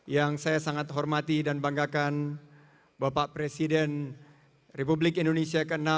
yang saya sangat hormati dan banggakan bapak presiden republik indonesia ke enam